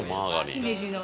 姫路の。